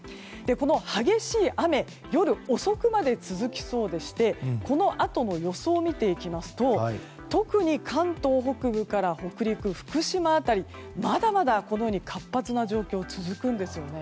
激しい雨夜遅くまで続きそうでしてこのあとの予想を見ていきますと特に関東北部から北陸福島辺りまだまだこのように活発な状況が続くんです。